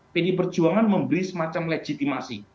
pdi perjuangan memberi semacam legitimasi